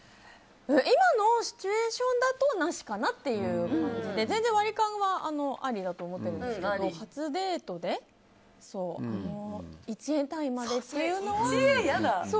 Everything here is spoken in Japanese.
今のシチュエーションだとなしかなという感じで全然、割り勘はありだと思ってるんですけど初デートで１円単位までというのは。